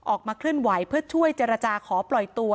ออกมาเคลื่อนไหวเพื่อช่วยเจรจาขอปล่อยตัว